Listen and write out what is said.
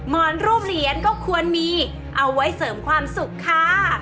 อนรูปเหรียญก็ควรมีเอาไว้เสริมความสุขค่ะ